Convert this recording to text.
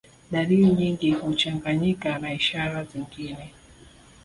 Dalili nyingi huchanganyika na ishara zingine